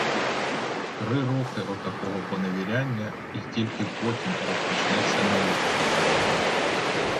Три роки отакого поневіряння й тільки потім розпочнеться наука.